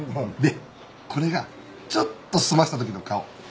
でこれがちょっと澄ましたときの顔。